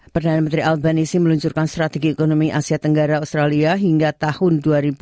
perdana menteri alghanisi meluncurkan strategi ekonomi asia tenggara australia hingga tahun dua ribu dua puluh